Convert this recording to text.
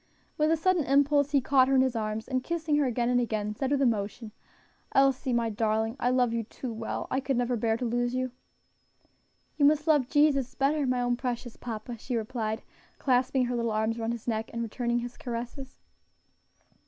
With a sudden impulse he caught her in his arms, and kissing her again and again, said with emotion, "Elsie, my darling, I love you too well; I could never bear to lose you." "You must love Jesus better, my own precious papa," she replied, clasping her little arms around his neck, and returning his caresses.